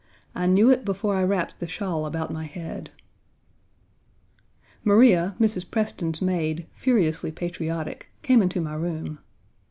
I knew it before I wrapped the shawl about my head." Maria, Mrs. Preston's maid, furiously patriotic, came into my room.